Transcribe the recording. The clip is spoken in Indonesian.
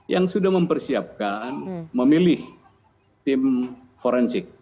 yang sudah mempersiapkan memilih tim forensik